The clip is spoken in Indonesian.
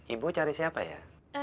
ibu cari siapa ya